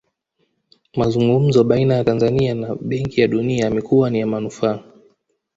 Mazungumzo baina ya Tanzania na benki ya dunia yamekuwa ni ya manufaa